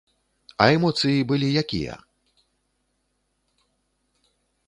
А эмоцыі былі якія?